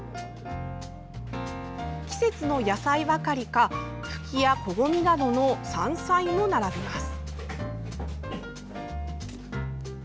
季節の野菜ばかりか、ふきやこごみなどの山菜も並びます。